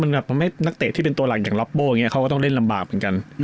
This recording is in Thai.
มันแบบทำให้นักเตะที่เป็นตัวหลักอย่างลับโบ้อย่างนี้เขาก็ต้องเล่นลำบากเหมือนกัน